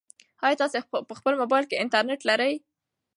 ایا تاسي په خپل موبایل کې انټرنيټ لرئ؟